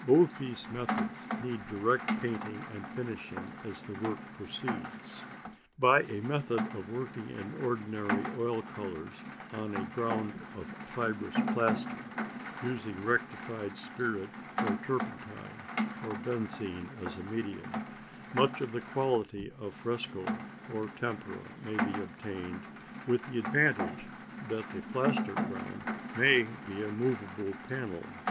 Both these methods need direct painting and finishing as the work proceeds. By a method of working in ordinary oil colours on a ground of fibrous plaster, using rectified spirit of turpentine or benzine as a medium, much of the quality of fresco or tempera may be obtained, with the advantage that the plaster ground may be a movable panel.